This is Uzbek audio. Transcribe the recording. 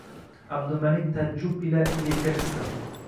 Abdumalik taajjub ila elka qisdi